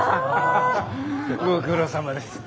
ご苦労さまです。